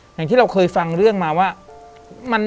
อย่างที่เราเคยฟังเรื่องมาว่า